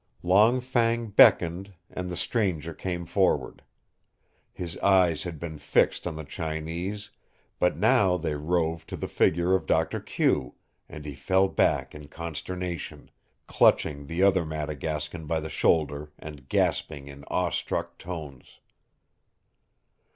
Long Fang beckoned, and the Strangler came forward. His eyes had been fixed on the Chinese, but now they roved to the figure of Doctor Q, and he fell back in consternation, clutching the other Madagascan by the shoulder and gasping in awestruck tones.